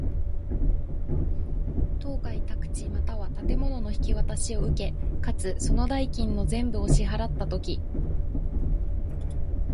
当該宅地又は建物の引渡しを受け、かつ、その代金の全部を支払つたとき。